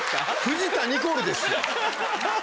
藤田ニコルですよ。